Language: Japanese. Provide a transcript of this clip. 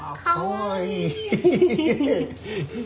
かわいい。